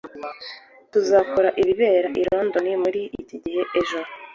tuzakora ibibera i londres muri iki gihe ejo